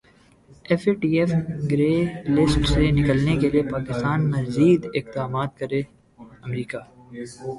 F A T F grey list سے نکلنے کیلئے پاکستان مزید اقدامات کرے امریکا